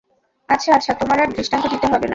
আচ্ছা আচ্ছা, তোমার আর দৃষ্টান্ত দিতে হবে না।